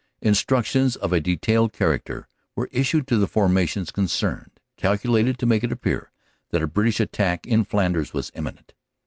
Instructions of a detailed character were issued to the forma tions concerned, calculated to make it appear that a British attack in Flanders was imminent.